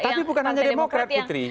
tapi bukan hanya demokrat putri